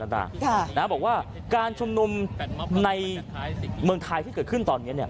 บอกว่าการชุมนุมในเมืองไทยที่เกิดขึ้นตอนนี้